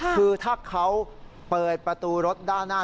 คือถ้าเขาเปิดประตูรถด้านหน้า